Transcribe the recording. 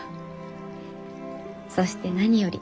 そして何より。